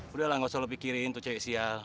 udahlah nggak usah lo pikirin tuh cewek sial